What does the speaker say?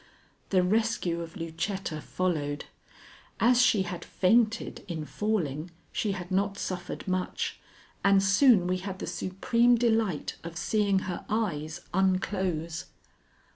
The rescue of Lucetta followed. As she had fainted in falling she had not suffered much, and soon we had the supreme delight of seeing her eyes unclose.